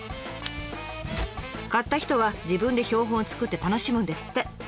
買った人は自分で標本を作って楽しむんですって。